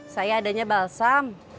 saya adanya balsam